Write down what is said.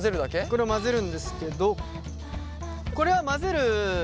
これを混ぜるんですけどこれは混ぜる